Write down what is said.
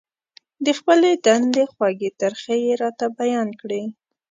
د خپلې دندې خوږې ترخې يې راته بيان کړې.